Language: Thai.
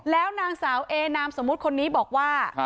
แล้วนางสาวเอนามสมมุติคนนี้บอกว่า